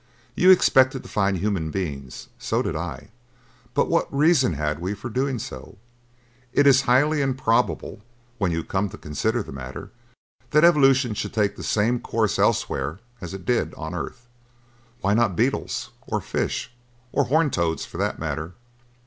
You expected to find human beings; so did I, but what reason had we for doing so? It is highly improbable, when you come to consider the matter, that evolution should take the same course elsewhere as it did on earth. Why not beetles, or fish, or horned toads, for that matter?"